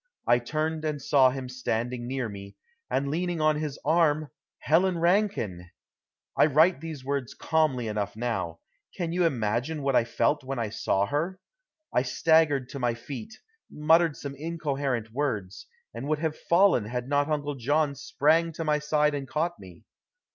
I turned and saw him standing near me, and leaning on his arm Helen Rankine! I write these words calmly enough now. Can you imagine what I felt when I saw her? I staggered to my feet, muttered some incoherent words, and would have fallen had not Uncle John sprang to my side and caught me.